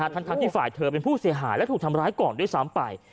ทั้งที่ฝ่ายเธอเป็นผู้เสียหายและถูกทำร้ายก่อนด้วยซ้ำไป